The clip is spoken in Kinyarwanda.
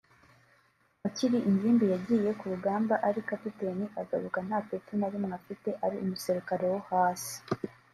Akiri ingimbi yagiye ku rugamba ari kapiteni agaruka nta peti na rimwe afite ari umusirikari wo hasi